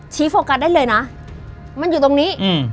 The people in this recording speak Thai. โฟกัสได้เลยนะมันอยู่ตรงนี้